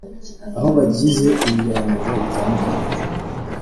aho bagize ibiganiro bitandukanye